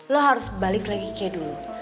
lo harus balik lagi c dulu